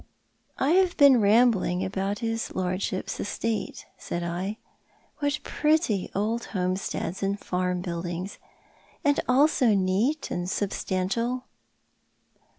" I have been rambling about his lordship's estate," said I. " What pretty old homesteads and farm buildings ! And all so neat and substantial."